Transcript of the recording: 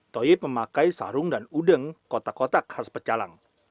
toyib memakai sarung dan udeng kotak kotak khas pecalang